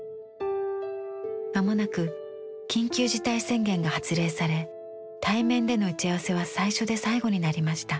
間もなく緊急事態宣言が発令され対面での打ち合わせは最初で最後になりました。